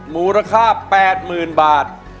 มูลค่า๘๐๐๐บาท